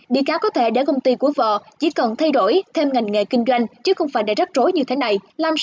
đi cá có thể đến công ty của vợ chỉ cần thay đổi thêm ngành nghề kinh doanh chứ không phải để rắc rối như thế này